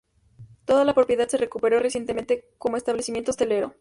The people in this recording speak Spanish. Toda la propiedad se recuperó recientemente como establecimiento hostelero.